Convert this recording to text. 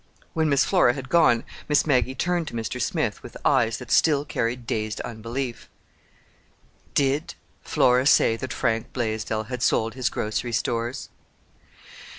When Miss Flora had gone, Miss Maggie turned to Mr. Smith with eyes that still carried dazed unbelief. "Did Flora say that Frank Blaisdell had sold his grocery stores?"